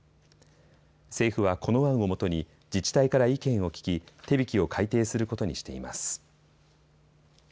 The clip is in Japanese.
政府はこの案をもとに自治体から意見を聴き手引を改訂することにしています。